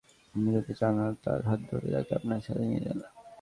আপনি যদি চান, তার হাত ধরে তাকে আপনার সাথে নিয়ে যান!